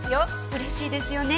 嬉しいですよね。